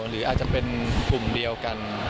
หรืออาจจะเป็นกลุ่มเดียวกัน